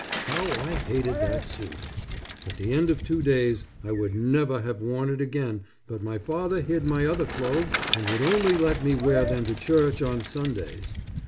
How I hated that suit. At the end of two days I would never have worn it again but my father hid my other clothes and would only let me wear them to church on Sundays.